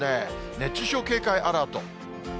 熱中症警戒アラート。